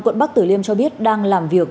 quận bắc từ liêm cho biết đang làm việc